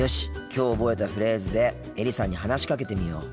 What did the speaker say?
きょう覚えたフレーズでエリさんに話しかけてみよう。